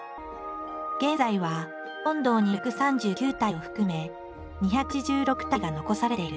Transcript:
現在は本堂にある１３９体を含め２８６体が残されている。